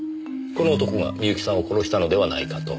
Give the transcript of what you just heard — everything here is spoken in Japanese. この男が深雪さんを殺したのではないかと。